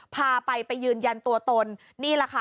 พาไปไปยืนยันตัวตนนี่แหละค่ะ